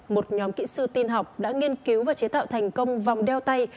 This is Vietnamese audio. một nhóm kỹ sư tin học đã nghiên cứu và chế tạo thành công vòng đeo tay